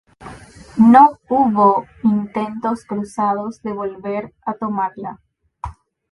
No hubo intentos cruzados de volver a tomarla.